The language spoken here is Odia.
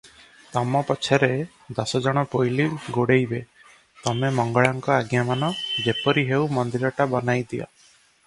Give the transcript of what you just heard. ତମ ପଛରେ ଦଶଜଣ ପୋଇଲୀ ଗୋଡ଼େଇବେ, ତମେ ମଙ୍ଗଳାଙ୍କ ଆଜ୍ଞା ମାନ; ଯେପରି ହେଉ ମନ୍ଦିରଟା ବନାଇଦିଅ ।